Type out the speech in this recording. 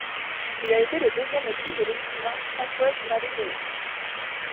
Il a été le deuxième époux de l'écrivain Françoise Mallet-Joris.